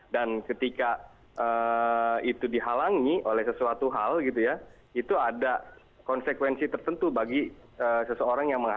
dan ketika itu dihalangi oleh sesuatu hal gitu ya itu ada konsekuensi tertentu bagi seseorang yang mengalami